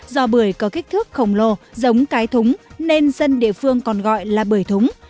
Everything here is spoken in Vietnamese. do bưởi có kích thước khổng lồ giống cái thúng nên dân địa phương còn gọi là bưởi thúng